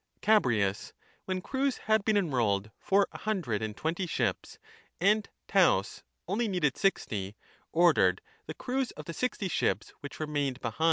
Chabrias, when crews had been enrolled for a hundred and twenty ships and Taus only needed sixty, ordered the 20 crews of the sixty ships which remained behind to supply 1 Omitting in 1.